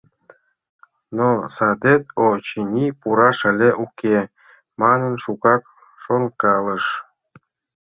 Но садет, очыни, «пураш але уке» манын шукак шонкалыш.